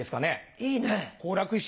いいね。